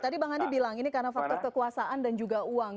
tadi bang andi bilang ini karena faktor kekuasaan dan juga uang